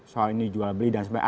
soal ini jual beli dan sebagainya